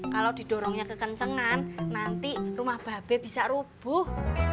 kalau didorongnya kekencengan nanti rumah babe bisa rubuh